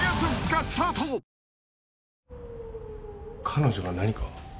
彼女が何か？